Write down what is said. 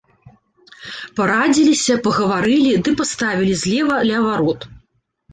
Парадзіліся, пагаварылі ды паставілі злева ля варот.